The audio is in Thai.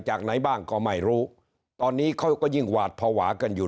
จากไหนบ้างก็ไม่รู้ตอนนี้เขาก็ยิ่งหวาดภาวะกันอยู่